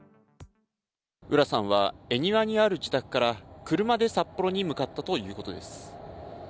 浦さんは恵庭にある自宅から、車で札幌に向かったということです。